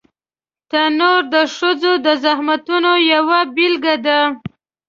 تنور د ښځو د زحمتونو یوه بېلګه ده